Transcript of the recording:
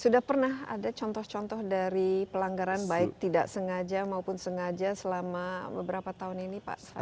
sudah pernah ada contoh contoh dari pelanggaran baik tidak sengaja maupun sengaja selama beberapa tahun ini pak